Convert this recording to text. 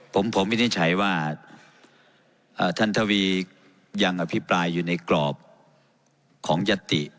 ผมวินิจฉัยว่าท่านทวียังอภิปรายอยู่ในกรอบของยัตติ